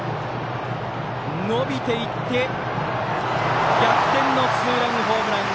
伸びていって逆転のツーランホームラン。